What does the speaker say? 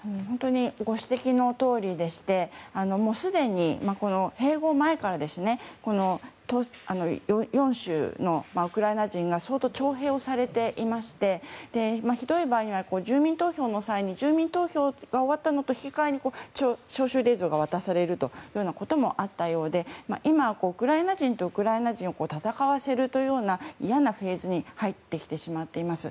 ご指摘のとおりでしてすでに併合前から４州のウクライナ人が相当、徴兵されていましてひどい場合には住民投票の際に住民投票が終わったのと引き換えに招集令状が渡されるということもあったようで今、ウクライナ人とウクライナ人を戦わせるという嫌なフェーズに入ってきてしまっています。